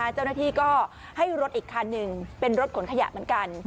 เจ้าหน้าที่ก็ให้รถอีกคันหนึ่งเป็นรถขนขยะเหมือนกัน